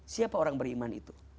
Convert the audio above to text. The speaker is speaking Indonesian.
siapa orang beriman itu